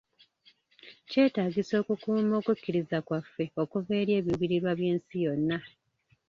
Kyetaagisa okukuuma okukkiriza kwaffe okuva eri ebiruubirirwa by'ensi yonna.